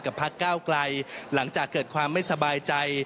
พักก้าวไกลหลังจากเกิดความไม่สบายใจ